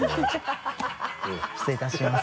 失礼いたします